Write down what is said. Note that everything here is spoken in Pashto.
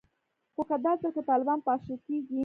خو که دا ځل که طالبان پاشل کیږي